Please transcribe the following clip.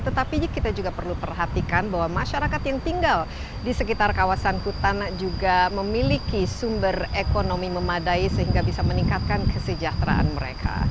tetapi kita juga perlu perhatikan bahwa masyarakat yang tinggal di sekitar kawasan hutan juga memiliki sumber ekonomi memadai sehingga bisa meningkatkan kesejahteraan mereka